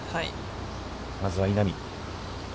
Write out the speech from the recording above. まずは稲見。